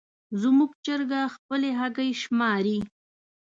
زموږ چرګه خپلې هګۍ شماري.